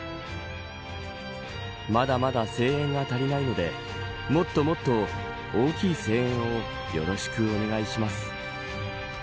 まだまだ声援が足りないのでもっともっと大きい声援をよろしくお願いします。